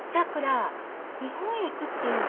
日本へ行くっていうのは？